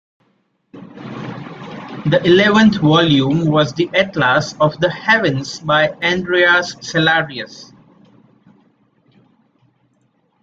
The eleventh volume was the Atlas of the Heavens by Andreas Cellarius.